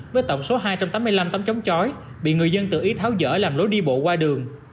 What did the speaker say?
với tổng số hai trăm tám mươi năm tấm chống chói bị người dân tự ý tháo dở làm lối đi bộ qua đường